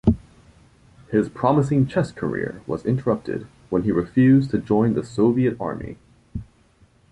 His promising chess career was interrupted when he refused to join the Soviet Army.